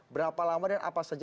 berapa lama dan apa saja